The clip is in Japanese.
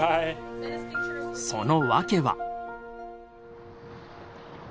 その訳は。